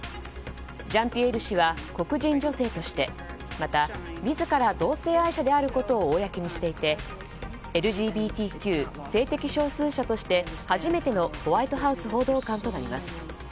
ジャンピエール氏は黒人女性としてまた、自ら同性愛者であることを公にしていてＬＧＢＴＱ・性的少数者として初めてのホワイトハウス報道官となります。